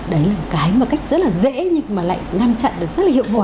đấy là một cái mà cách rất là dễ nhưng mà lại ngăn chặn được rất là hiệu quả